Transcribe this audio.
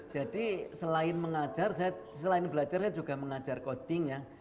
jadi selain mengajar selain belajarnya juga mengajar coding ya